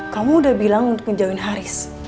kamu udah bilang untuk menjauhin haris